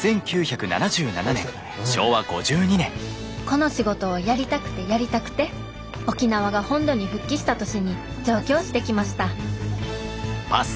この仕事をやりたくてやりたくて沖縄が本土に復帰した年に上京してきました